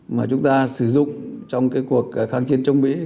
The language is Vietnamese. mà chúng ta sử dụng trong cái cuộc kháng chiến chống mỹ